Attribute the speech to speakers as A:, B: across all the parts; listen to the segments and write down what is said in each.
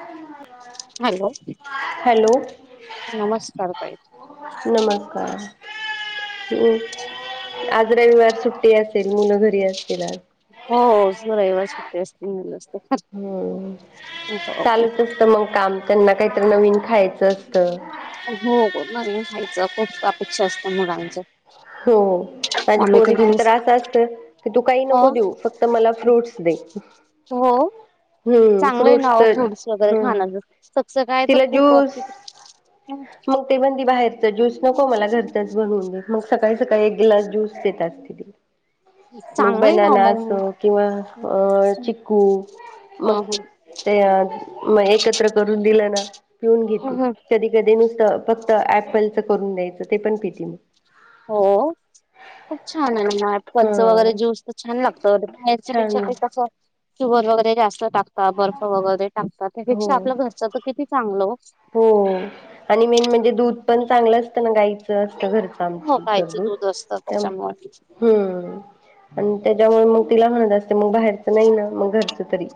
A: धवा
B: hello नमस्कार ताई
A: नमस्कार हम् आज रविवार सुट्टी असेल मुलं घरी असतील आज
B: हो ज रविवार सुट्टी असते म
A: हम्म चालूच असत मग काम त्यांना काहीतरी नवीन खायचं असतं
B: हो न खायचं खूप अपेक्षा असत मुलांचं
A: हो माझे
B: आम्ही
A: पोरी
B: तर दिवस
A: त्रास असत की तू काही
B: अ
A: नको देऊ फक्त मला फ्रूट्स दे
B: हो
A: हम्म
B: चांगलं आहे ना
A: फ्रूट्स तर
B: फ्रूट्स वगैरे
A: हम्म
B: खाण्याच सगच काय तर
A: तिला
B: खूप
A: ज्यूस
B: अिक ह
A: मग ते म्हणी बाहेरचा ज्यूस नको मला घरचाच बनवून दे मग सकाळी सकाळी एक गिलास ज्यूस देत अस तिी मग
B: चांगलंय ना
A: बनना असो
B: मग
A: किंवा अ चिकू मग
B: ह
A: ते मग एकत्र करून दिलं ना पिऊन
B: ह
A: घेते कध नुसतं फक्त ऍपलच करून द्यायचं ते पण पीती मग
B: हो खूप छान आहे ना ऍपपलच वगैरे
A: हा
B: ज्यूस तर छान लागतच्या
A: छान
B: पेक्षा ते कसं शवर वगैरे जास्त टाकतात बर्फ वगैरे टाकतात
A: हो
B: त्यापेक्षा आपल्या घरच किती चांगल
A: हो आणि मेन म्हणजे दूध पण चांगलं असतं ना गाईचं असत घरचं काम
B: हो
A: क
B: गाईचं
A: करब
B: दूध असतं
A: त्या
B: त्याच्यामुळे.
A: हम्म आणि त्याच्यामुळे मग तिला म्हणत असते मग बाहेरचं नाही ना मग घरचं तरी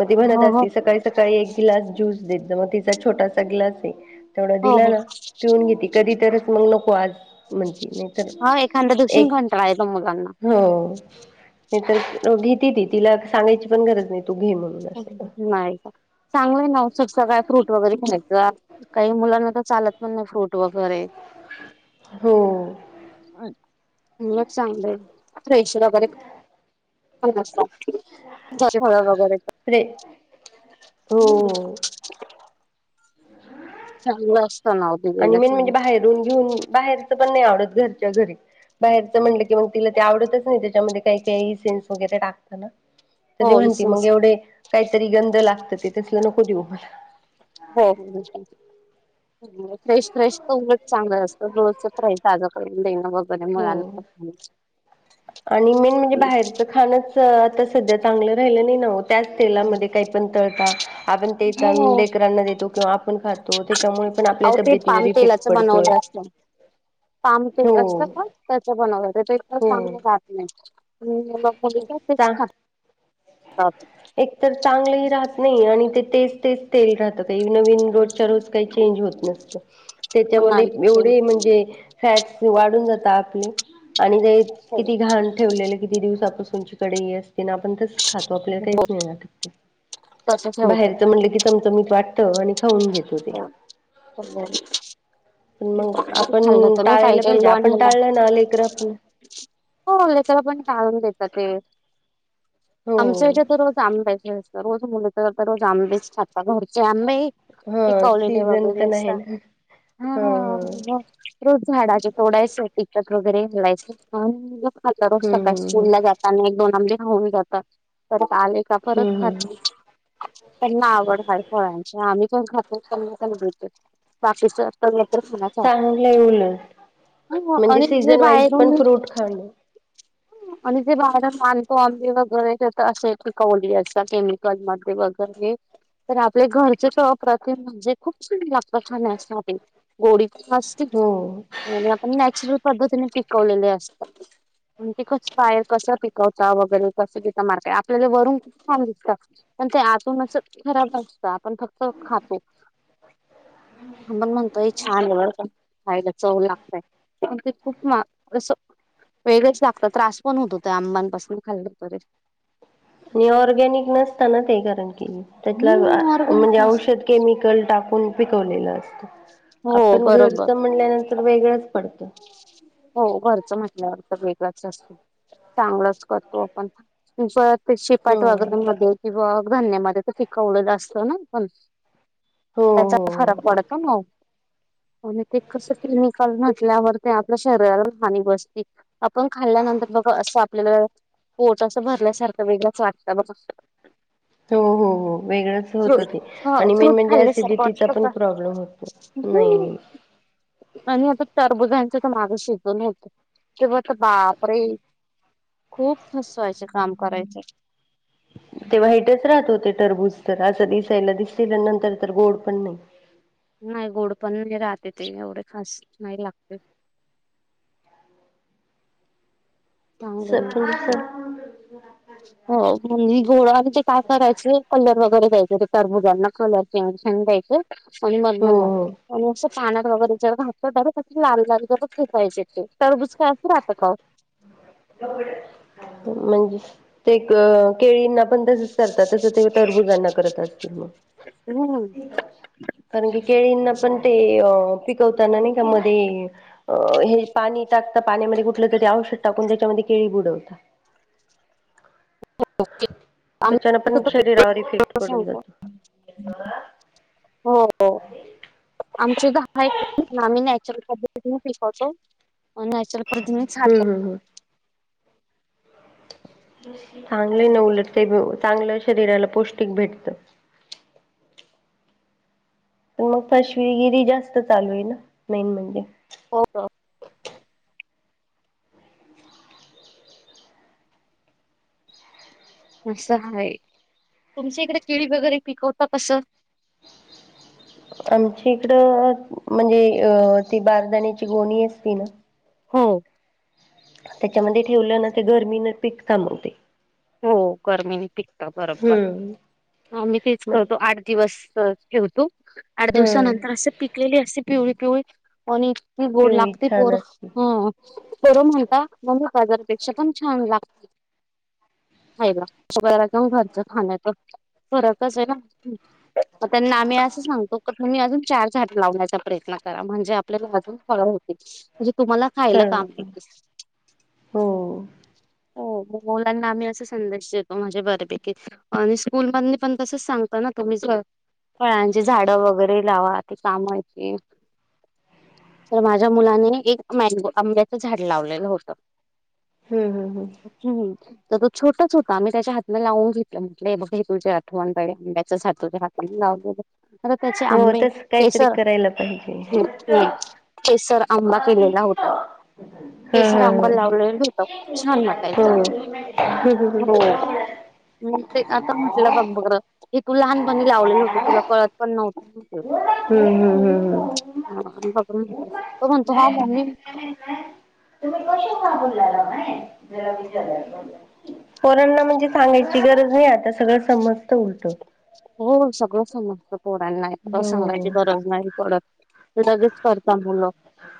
A: मग ती बनत
B: हो हो
A: असती सकाळी सकाळी एक ग्लास ज्यूस देत मग तिचा छोटासा ग्लास आहे तेवढा
B: हो
A: दिला
B: हो
A: ना पिऊन घेते कधी तरच मग नको आज म्हण
B: होा एखादा्या दुक्षण घंट रा आहे प मुलांना
A: हो नाही तरर घेतती ती तिला सांगायची पण गरज नाही तू घे म्हग
B: चांगलंय नाऔसटच काय फ्रूट वगैरे खेनायचं काही मुलांना तर चालत पण नाही फ्रूट वगैरे
A: हो
B: मी एक चांगलंय फ्रेशर वगैरे ळ वगैरे
A: प्रे हो
B: चांगलं असत ना
A: आणि मेन म्हणजे बाहेरून घेऊन बाहेरचं पण नाही आवडत घरच्या घरी बाहेरच म्हणलं की मग तिला ते आवडतच नाही त्याच्यामध्ये काही काही सेन्स वगैरे टाकतना त ते
B: हो
A: म्हणते मग
B: इसेन्स
A: एवढे काहीतरी गंध लागत ते तसला नको देऊ मला
B: हो फ्रेश फ्रेश तर उलच चांगलं असतं रोजच फ्राश तजा करून देणं बघ
A: हो आणि मेन म्हणजे बाहेरचं खाणच आता सध्या चांगलं राहिलं नाही नव्हत त्याच तेलामध्ये काही पण तळता आपण ते
B: हो
A: बेकरांना देतो किंवा आपण खातो त्याच्यामुळे पण आपल्या
B: अहो ते
A: तब्यतीवर
B: पाम
A: इफेक्ट
B: तेलाच
A: पडतोय
B: बनवलं असतं. पाम तेल
A: हो
B: असतं का त्याच बन एक
A: हो
B: सांग जात नाही मग मुली तेच
A: चा
B: खात ह
A: एक तर चांगलंही राहत नाही आणि ते तेच तेच तेल राहत का नवीन रोजच्या रोज काही चेंज होत नसत त्याच्यामध्ये
B: नाईटचे
A: एवढे म्हणजे फॅट्स वाढून जातात आपले आणि ते
B: हो
A: किती घाण ठेवलेले किती दिवसापासूनच्यािकडे हे असते ना आपण तरच खातो आपल्याला काही
B: तसं ठेवतो.
A: बाहेरच म्हटलं की चमच मीत वाटत आणि खाऊन घेत
B: हा च
A: पण मग
B: खल्त
A: आपण
B: नाही
A: टाळायला पाहिजे आपण
B: पाहिट
A: टाळलं ना लेकर आपण
B: लोला होच्याला पण टाळून देतात ते
A: हो
B: आमच्याच्या तर रोज आंब्याच रोज मुली तर तर रोज आमबस छपा घरचे आंब
A: हा
B: टिकवलेले
A: सीझन
B: वगैरे
A: पण आहे
B: असा
A: ना
B: हा
A: ह ह हम्म
B: रोज झाडाच्या तोडायच टिकट वगैरे घडयच आता रोज सकाळी
A: हम्म
B: स्कूल
A: हम्म
B: ला जात त्यांना एक दोन आमदन होऊन जातात परत आले का परत
A: हम्म हम्म
B: खात त्यांना आवड हय फळांची आम्ही पण खातोना पण भो बाकीच पंगत फला का
A: चांगलं आहे उलट
B: ह
A: म्हणजे
B: आणिे
A: सीझन वाईज पण
B: बायरन
A: फ्रूट खाणं.
B: आणि जे बाहेरात मानतो आमबही वगैरे ते तर असं टिकवली याचा केम ल म वगैरे तर आपल्या घरचे ात म्हणजे खूप सार लाकखा्या असणार गोडी पण असतील
A: हो.
B: म्हणज आपण नॅचरल पद्धतीने पिकवलेले असतात म्हण ते कसं बाहेर कसं पिकवता वगैरे कसं दििचा मार्केट आपल्याला वरून ख छान दिसतात पण ते आतून असं खराब असतं आपण फक्त खातो ह पण म्हणतोय छान ए पण खायला चव लागतय ते खूप अस वेगळेच लागत त्रास पण होतो त्या आंबांपासून खाल्लं तरे
A: ऑर्गॅनिक नसताना ते कारण के
B: हम्म
A: त्यात
B: ऑर्गॅनिक
A: म्हणजे
B: नसतं.
A: औषध केम िकल टाकून पिकवलेलं असत
B: हो
A: आपण घरच
B: बरोबर
A: म्हणल्यानंतर वेगळंच पडतं
B: हो घरचं म्हटल्यावर तर वेगळच असतो चांगलंच करतो आपण परत ते
A: हो
B: शिपाट वगैरे मध्ये किंवा धान्यामध्ये तर पिकवड असतं ना पण
A: हो
B: त्याचा
A: हो
B: फरक पडत म आणि ते कसं क्लिनिकल म्हटल्यावर ते आप शरीराला हानी बसते आपण खाल्ल्यानंतर बघ असं आपल्याला पोट असं भरण्यासारखं वेगळंच वाटतं मग
A: हो हो हो वेगळंच होतं
B: फ्रूट
A: ते
B: हा
A: आणि मेन
B: फ्रूट
A: म्हणजे
B: खाल्ल्यासारखं
A: सिडिटीचा
B: वाटत
A: पण
B: का?
A: प्रॉब्लेम होतो नाही
B: हम्म
A: नाही
B: आणि आता चार बुजा माग शिकून होत तेव्हा आता बापरे खूप हसवायचं काम करायचं
A: ते वाईटच राहत होते टरबूज तर असं दिसायला दिसेल नंतर तर गोड पण नाही
B: नाही गोड पण राहते ते एवढे खास नाही लागते
A: स
B: चांगलं नस्
A: [inaudible]
B: हो म्हणजे गोड आणि ते काय करायचे कलर वगैरे द्यायचे ते कारबुजांना कलर छड द्यायचं आणि मर
A: हो हो.
B: लागत आणि असं पाण्यात वगैरे जग घातातडरेक् लाल लाल जग फेकायचे ते तरबूज काय असं राहत का
A: म्हणजे ते केळींना पण तसच करतात तस ते तररबुजांना करत असतील मग
B: होम
A: कारण की केळींना पण ते पिकवताना नाही का मध्ये अ हे पाणी टाकता पाण्यामध्ये कुठलं तरी औषध टाकून त्या केळी बुडव होता त्याच्यान पण
B: आम्ही
A: शरीरावर इफेक्ट पडून जातो
B: हो आमची सुद्धा हाम नाहीच्यातो नॅचरल पधि
A: हम्म हम्म हम्म चांगलं न उलट ते चांगलं शरीराला पौष्टिक भेटत पण मग पश्वीगिरी जास्त चालू आहे ना मेन म्हणजे
B: हो असं आहेा तुमच्या इकडे केिळी वगैरे पिकवता कसं
A: आमच्या इकडं म्हणजे अ ती बारदाण्याची गोणी असती ना
B: हो
A: त्याच्यामध्ये ठेवलं ना ते गरमी न पीक चाबवते
B: हो गर्मीने पिकत बरोबर
A: हम्म.
B: मी तेच
A: मग
B: करतो आठ दिवस ठेवतो आठ
A: हम्म.
B: दिवसानंतर असं पिकलेली असे पिवळी पिवळी आणि त गोड
A: पिवळी
B: लागते
A: छान
B: पोर
A: असते
B: हा करू म्हणता म बाजारपेक्षा पण छान लागते हा शुक्रला कि घरचं खाण तर फरकच आहे ना मग त्यांना आम्ही असं सांगतो क तुम्ही अजून चार झाट लावण्याचा प्रयत्न करा म्हणजे अजून फ हो म्हणजे तु्हाला खायला काम
A: हळूची हो.
B: हो मुलांना आम्ही अस संदेश देतो माझे बरेपैकी आणि स्कूल मध पण तसच सांगता ना तुम्ही फळांची झाडं वगैरे लावा ते कामायची तर माझ्या मुलाने एक मँगो आंब्याचं झाड लावलेलं होतं
A: हम् हम हम्
B: हम् त्या छोटंच होता आम्ही त्याच्या हातला लावून घेतलं म्हटलंय बघ हे तुझ्या आठवण बडडे आंब्याच ह तुझ्या हाता लावून अ त्याचे
A: हो
B: आंबे
A: तस काहीतरी
B: केसर
A: करायला पाहिजे.
B: केसर आंबा केलेला होता
A: हा
B: केसर
A: हा
B: आंबा
A: हा
B: लावलेलं होत खूप छान वाटायचं
A: हम
B: हो मग ते आता म्हटलं बघ बरं हे तू लहानपणी लावलेले होते तुला कळत पण नव्हत
A: हम्म हम्म हम्म.
B: हा बघ म्हणतो हा मममी
A: [unintelligible] तुम्ही कशा का बोललालाय जला विचार बला परांना म्हणजे सांगायची गरज नाही आता सगळं समजत उलतो
B: हो सगळं समज पोडायला नाही सांगायची
A: हो.
B: गरज नाही पडत लगेच करतात मुलं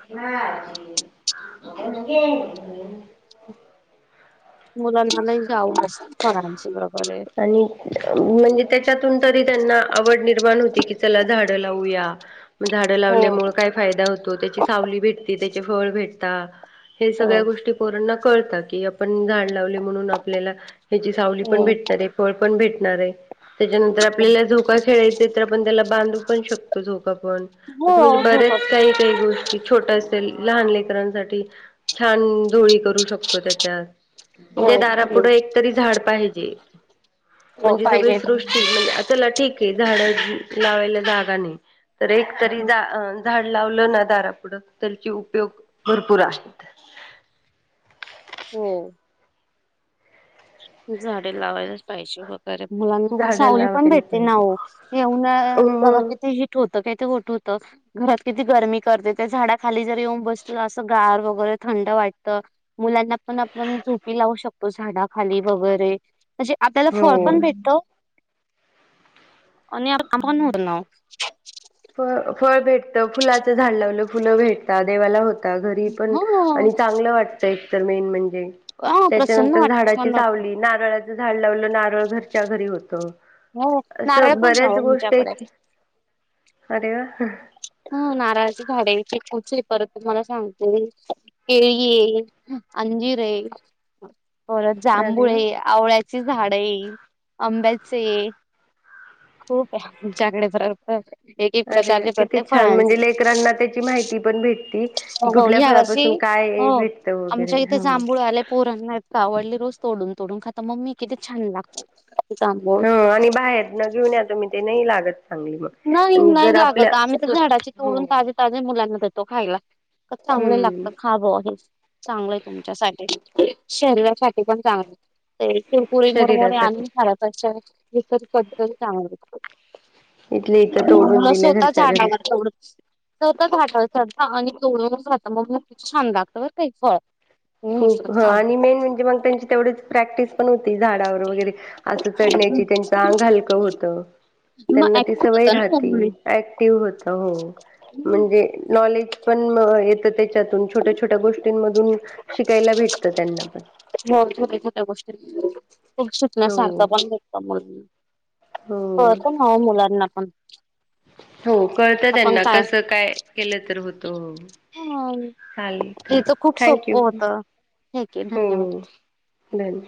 A: हा
B: मुलां मला ह आवड असते फरांची वगैरे
A: आणि म्हणजे त्याच्यातून तरी त्यांना आवड निर्माण होती की चला झाड लावूया झाडं
B: हो
A: लावल्यामुळे काय फायदा होतो त्याची सावली भेटती त्याचे फळ भेटत हे
B: हो
A: सगळ्या गोष्टी पोरांना कळतात की आपण झाड लावले म्हणून आपल्याला ह्याची सावली पण
B: हो
A: भेटणार आहे फळ पण भेटणार आहे त्याच्यानंतर आपल्याला झोका खेळायचा तर आपण त्याला बांधू पण शकतो झोका पण असं म्हणजे
B: हो झोपा
A: बऱ्याच काही काही गोष्टी छोट्या लहान लेकरसाठी छानोळी करू शकतो त्याच्या द
B: हो
A: झाड पाजे
B: हो
A: म्हणजे सग
B: पाहिजे
A: सृष्टलाठीक झाड ला जागा एक त झा लावलं ना दारापुडं त्याची उपयोग भरपूर आहेत
B: हो झाडे लावायलाच पाहिजे फ मुलांना पण
A: झाडं
B: सावली पण
A: लावायला
B: भेटते
A: पाहिजे
B: नाव येऊन बघा
A: मग
B: कि होतं काय ते गठ होतं घरात किती गरमी करते ते झाडाखाली जर येऊन बसलं असं गार वगैरे थंड वाटत मुलांना पण आपण झोपी लावू शकतो झाडा खाली वगैरे म्हणजे आपल्याला फळ
A: हो.
B: पण भेटत आणि आण उडण
A: फ फळ भेटतं फुलाचं झाड लावलं फुलं भेटत देवाला होत घरी पण
B: हो
A: आणि चांगलं वाटत एकतर मेन म्हणजे
B: ह प्रसन्न
A: त्याच्यानंतर
B: वाट
A: झाडाची
B: छान वाटत
A: सावली नारळाचं झाड लावलं नारळ घरच्या घरी होत
B: हो नारळ
A: असं
B: पण आहे
A: बऱ्याच
B: ओ
A: गोष्ट
B: आमच्याकडे
A: आहेती अरवा
B: ह नारळजी झाडेथ कूचली परत तु म्हाला सांगते केळ अंजिरे परत
A: अरे
B: जांभूळ
A: वा.
B: ये आवळ्याची झाड ये आंब्याची खूप आहे तमच्याकडे प्र खूप आहे एक एक
A: अरे
B: प्रकारचे
A: किती
B: प्रत्येक
A: छान
B: फळांचे
A: म्हणजे लेकरांना त्याची माहिती पण भेटती की
B: हो
A: कुठल्या
B: या्या
A: फळापासून
B: वर्षी हो
A: काय भेटतं वगैरे
B: आमच्या इथे
A: ह
B: जांभूळ आले पोरांना आवडली रोज तोडून तोडून खाता मग मी किती छान लागत
A: ह आणि बाहेर न घेऊन या तुम्ही ते नाही लागत चांगली मग
B: नाही
A: आणि
B: नाही
A: जर आपल्या
B: लागत आम्ही तर
A: स्वत
B: झाडाचे
A: हो
B: तोडून ताजे ताजे मुलांना देतो खायला चांगलं लागतं
A: हम्म
B: हा ब हे चांगलं आहे तुमच्यासाठी शहरासाठी पण चांगलं पुरी मोरमरे
A: शरीरासाठी
B: आणि खरश पद्ध चांगली
A: इथले इथं तोडून
B: ह
A: दिले घरच्या घरी
B: स्वतचाला तेवढ च च आणि तोडून राहात मग मग छान लागतं काही फळ मी म्हटलं
A: हो
B: खा
A: आणि
B: मग
A: मेन म्हणजे मग त्यांची तेवढीच प्रॅक्टिस पण होती झाडावर वगैरे असं चढण्याची त्यांचं आंग हलकं होतं त्यांना ती
B: ऍक्टिव्ह
A: सवय
B: होतं ना
A: राहती
B: मग
A: ऍक्टिव्ह होता हो म्हणजे नॉलेज पण येत त्याच्यातून छोट्या छोट्या गोष्टींमधून शिकायला भेटत त्यांना पण.
B: हो थो्या थोट्या गोष्टी
A: हो
B: सुतण्यासारखं बंद का म्हणून हो पण हवं मुलांना पण
A: हो कळत त्यांना कसं काय केलं तर होतं हो चालेल
B: हे तर खूप
A: थँक यू
B: सोपं होतं ठीक आहे
A: हो
B: धन्यवाद
A: दन